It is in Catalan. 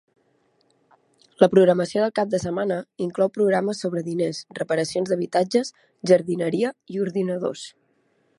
La programació del cap de setmana inclou programes sobre diners, reparacions d'habitatges, jardineria i ordinadors.